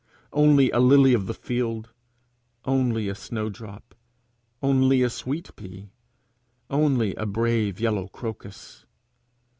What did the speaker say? only a lily of the field! only a snowdrop! only a sweet pea! only a brave yellow crocus!